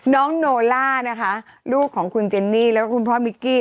โนล่านะคะลูกของคุณเจนนี่แล้วก็คุณพ่อมิกกี้